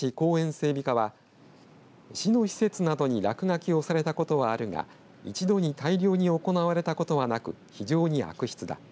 整備課は市の施設などに落書きをされたことはあるが一度に大量に行われたことはなく非常に悪質だ。